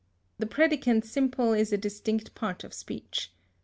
The predicant simple is a distinct part of speech.